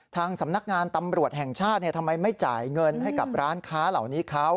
ทางสำนักงานตำรวจแห่งชาติทำไมไม่จ่ายเงินให้กับร้านค้าเหล่านี้เขา